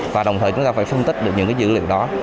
và đồng thời chúng ta phải phân tích được những dữ liệu đó